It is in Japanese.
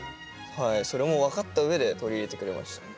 それも分かった上で取り入れてくれましたね。